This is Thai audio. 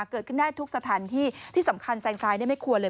เกิดขึ้นได้ทุกสถานที่ที่สำคัญแซงซ้ายไม่ควรเลย